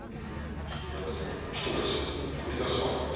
おやつを一口取り出します。